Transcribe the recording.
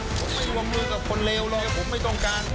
ผมไม่รวมมือกับคนเลวเลยผมไม่ต้องการ